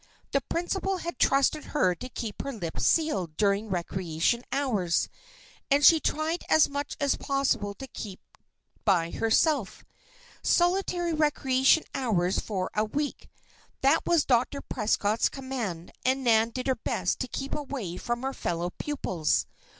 The principal had trusted her to keep her lips sealed during recreation hours; and she tried as much as possible to keep by herself. "Solitary recreation hours for a week." That was Dr. Prescott's command and Nan did her best to keep away from her fellow pupils.